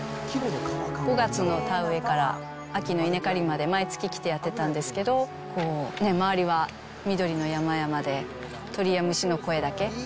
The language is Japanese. ５月の田植えから、秋の稲刈りまで、毎月来てやってたんですけど、周りは緑の山々で、鳥や虫の声だけ。